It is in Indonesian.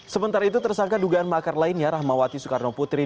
sementara itu tersangka dugaan makar lainnya rahmawati soekarno putri